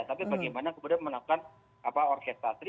tapi bagaimana kemudian melakukan orkestrasi